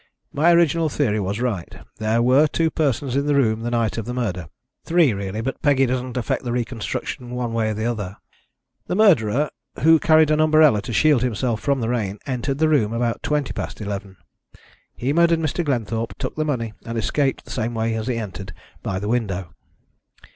My original theory was right. There were two persons in the room the night of the murder three, really, but Peggy doesn't affect the reconstruction one way or the other. The murderer, who carried an umbrella to shield himself from the rain, entered the room about twenty past eleven. He murdered Mr. Glenthorpe, took the money, and escaped the same way he entered by the window.